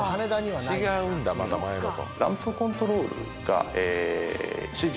違うんだまた前のと。